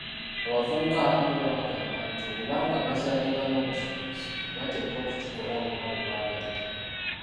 Abavubuka abamu bo bagamba nti, obanga bazaalibwa n'obusobozi bateekwa okukikola wonna we baagalira.